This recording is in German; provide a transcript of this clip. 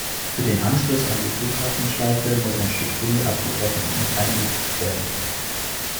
Für den Anschluss an die Flughafenschleife muss ein Stück Tunnel abgebrochen und eingefügt werden.